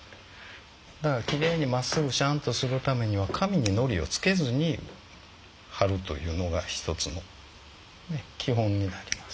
だからきれいにまっすぐしゃんとするためには紙にのりをつけずにはるというのが一つの基本になります。